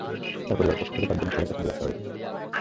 তাঁর পরিবারের পক্ষ থেকে তাঁর জন্য সবার কাছে দোয়া চাওয়া হয়েছে।